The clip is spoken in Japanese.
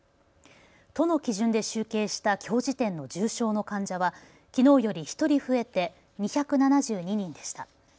都の基準で集計したきょう時点の重症の患者はきのうより１人増えて２７２人でした。